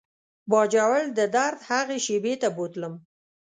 باجوړ د درد هغې شېبې ته بوتلم.